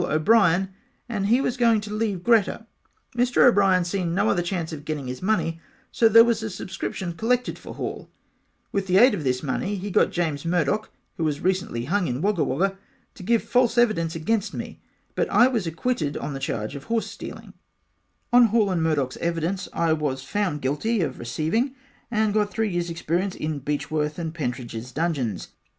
O. Brien and he was going to leave Greta Mr O. Brien seen no other chance of getting his money so there was a subscription collected for Hall and with the aid of this money he got James Murdock who was recently hung in Wagga Wagga to give false evidence against me but I was acquitted on the charge of horsestealing and on Halls and Murdocks evidence I was found guilty of receiving and got 3 years experience in Beechworth Pentridges dungeons.